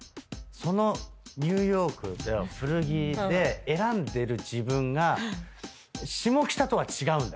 そのニューヨーク古着で選んでる自分が下北とは違うんだよ。